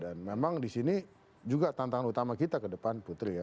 dan memang di sini juga tantangan utama kita ke depan putri ya